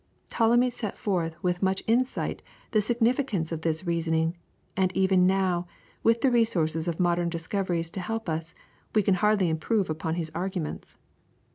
Ptolemy set forth with much insight the significance of this reasoning, and even now, with the resources of modern discoveries to help us, we can hardly improve upon his arguments.